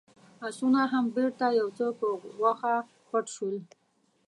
آسونه هم بېرته يو څه په غوښه پټ شول.